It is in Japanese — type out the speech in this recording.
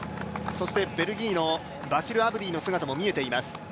そしてベルギーのバシル・アブディの姿も見えています。